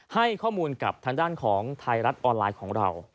ให้ข้อมูลกับทางด้านของไทยรัฐออนไลน์ของเรา